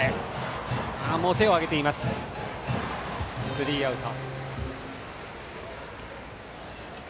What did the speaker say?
スリーアウト。